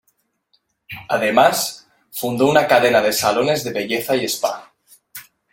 Además, fundó una cadena de salones de belleza y spa.